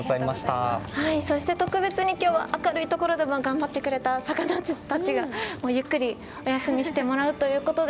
そして特別に今日は明るい所で頑張ってくれた魚たちがもうゆっくりお休みしてもらうということで。